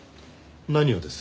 何をです？